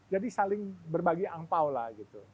jadi saling berbagi angpao lah